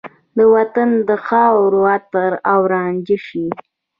د وطن د خاورو عطر او رانجه شي